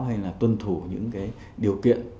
hay là tuân thủ những điều kiện